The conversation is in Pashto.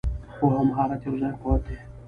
پوهه او مهارت یو ځای قوت دی.